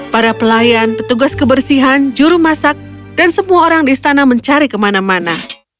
para pelayan petugas kebersihan juru masak dan semua orang di istana mencari kemana mana